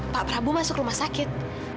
pak prabowo masuk rumah sakit